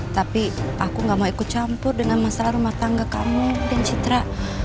tapi aku gak mau ikut campur dengan masalah rumah tangga kamu dan citra